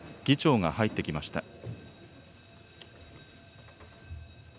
議長が入ってきました。